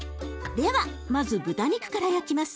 ではまず豚肉から焼きます。